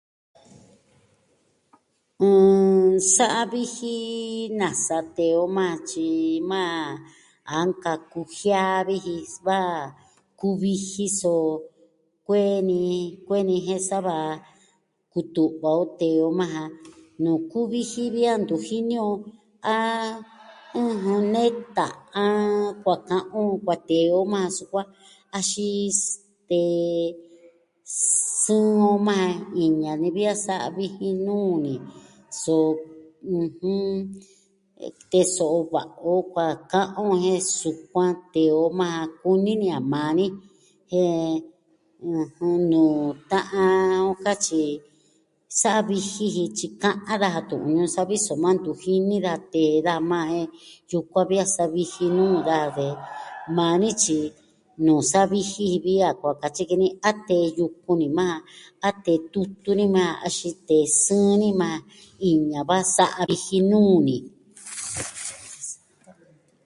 Sa'a viji, nasa tee o maa, tyi maa, a nkaku jiaa viji va kuviji so kueni kueni jen sava kutu'va o tee o maa ja, nuu kuvi ji vi a ntu jini on. A n... nee ta'an kua ka'an on kua tee o maa sukuan, axin stee sɨɨn on maa ja. Iin ñani vi a sa'a viji nuu ni. so ɨjɨn... teso'o va'a o kua ka'an on jen sukuan tee o maa. Kuni ni a maa ni. Jen, ɨjɨn... nuu ta'an on katyi sa viji ji tyi ka'an daja tu'un ñuu savi soma ntu jini da tee da maa jen yukuan vi a sa viji nuu daja de maa nityi nuu sa viji vi a kuaa katyi ki ni a teyu kuni maa ja a tee tutu ni maa axin tee sɨɨn ni maa. Iin ña va sa'a viji nuu ni.